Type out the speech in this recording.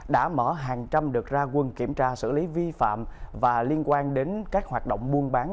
đã mở hàng trăm đợt ra quân kiểm tra xử lý vi phạm và liên quan đến các hoạt động buôn bán